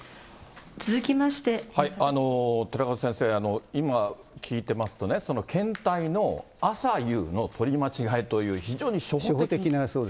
寺門先生、今聞いてますとね、検体の朝夕の取り間違いという、非常に初歩的な。